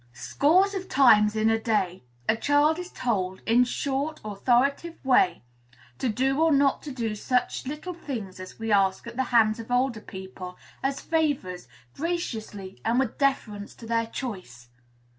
Scores of times in a day, a child is told, in a short, authoritative way, to do or not to do such little things as we ask at the hands of older people, as favors, graciously, and with deference to their choice.